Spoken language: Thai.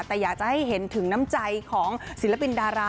แต่อยากจะให้เห็นถึงน้ำใจของศิลปินดารา